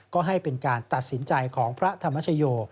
ก็ให้เป็นการตัดสินใจของพระธรรมชโย